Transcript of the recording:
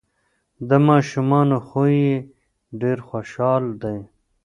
د ماشومانو خوی یې ډیر خوشحال دی.